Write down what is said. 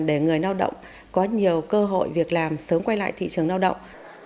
để người lao động có nhiều cơ hội việc làm sớm quay lại thị trường lao động